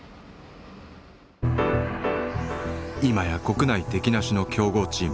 今や国内敵なしの強豪チーム。